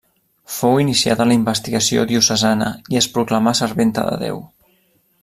Fou iniciada la investigació diocesana i es proclamà serventa de Déu.